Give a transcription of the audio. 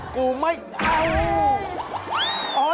กูไม่เอา